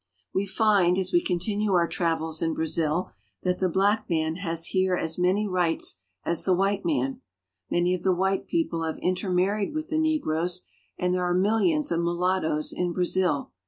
We find, as we continue our travels in Brazil, that the black man has here as many rights as the white man. Many of the white people have intermarried with the negroes, and there are millions of mulattoes in Brazil.